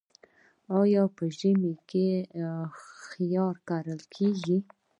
آیا په ژمي کې خیار کرل کیږي؟